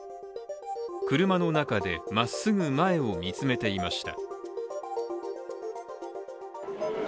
車の中でまっすぐ前を見つめていました。